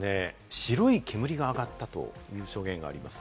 白い煙が上がったという証言があります。